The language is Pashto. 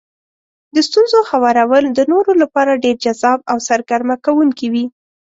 د ستونزو هوارول د نورو لپاره ډېر جذاب او سرګرمه کوونکي وي.